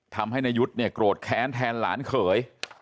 นายุทธ์เนี่ยโกรธแค้นแทนหลานเขย